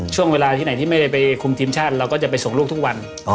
ช่วงเวลาที่ไหนที่ไม่ได้ไปคุมทีมชาติเราก็จะไปส่งลูกทุกวัน